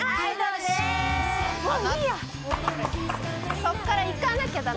そっから行かなきゃ駄目！